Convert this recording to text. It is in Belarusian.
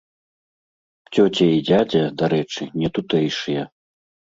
Цёця і дзядзя, дарэчы, не тутэйшыя.